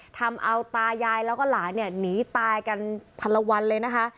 ทำเอาตายายแล้วก็หลานเนี่ยหนีตายกันพันละวันเลยนะคะ